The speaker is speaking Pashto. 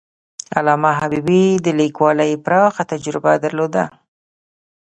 علامه حبيبي د لیکوالۍ پراخه تجربه درلوده.